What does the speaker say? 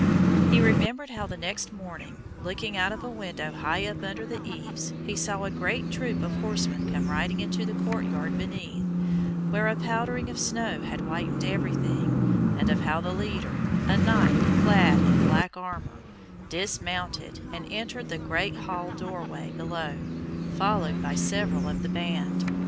He remembered how the next morning, looking out of a window high up under the eaves, he saw a great troop of horsemen come riding into the courtyard beneath, where a powdering of snow had whitened everything, and of how the leader, a knight clad in black armor, dismounted and entered the great hall door way below, followed by several of the band.